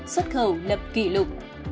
sáu xuất khẩu lập kỷ lục